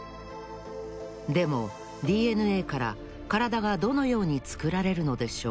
でもＤＮＡからカラダがどのようにつくられるのでしょうか？